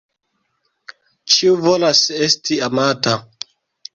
Ĉiu volas esti amata.